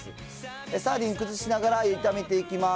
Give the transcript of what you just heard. サーディン崩しながら、炒めていきます。